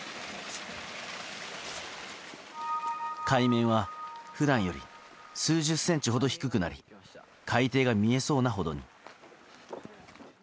海面は普段より数十センチほど低くなり海底が見えそうなほどに。